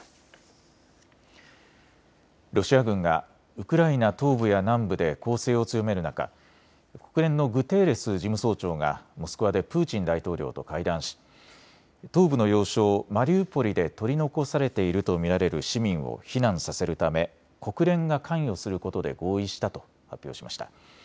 ロシア軍がウクライナ東部や南部で攻勢を強める中、国連のグテーレス事務総長がモスクワでプーチン大統領と会談し東部の要衝マリウポリで取り残されていると見られる市民を避難させるため国連が関与することで合意したと発表しました。